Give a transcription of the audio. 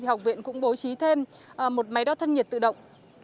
học viện cũng bố trí thêm một máy đo thân nhiệt tự động